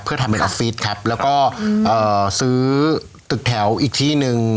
เพื่อทำเป็นออฟฟิศครับแล้วก็เอ่อซื้อตึกแถวอีกที่หนึ่ง